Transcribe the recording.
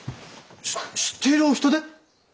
知っているお人で？